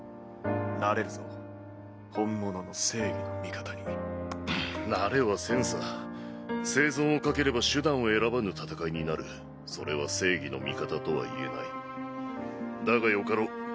なれるぞ本物の正義の味方にんっなれはせんさ生存を懸ければ手段を選ばぬ戦いになるそれは正義の味方とは言えないだがよかろう。